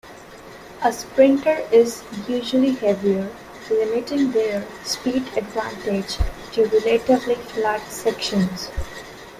A sprinter is usually heavier, limiting their speed advantage to relatively flat sections.